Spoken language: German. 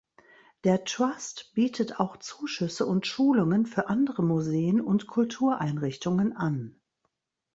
Der Trust bietet auch Zuschüsse und Schulungen für andere Museen und Kultureinrichtungen an.